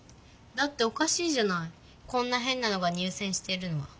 だっておかしいじゃないこんなへんなのが入せんしてるのは。